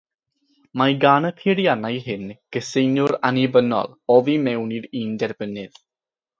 Mae gan y peiriannau hyn gyseiniwr annibynnol oddi mewn i'r un derbynnydd.